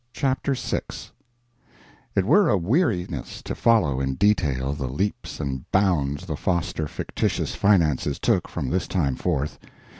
CHAPTER VI It were a weariness to follow in detail the leaps and bounds the Foster fictitious finances took from this time forth.